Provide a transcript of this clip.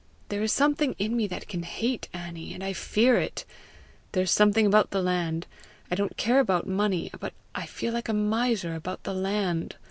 There is something in me that can hate, Annie, and I fear it. There is something about the land I don't care about money, but I feel like a miser about the land!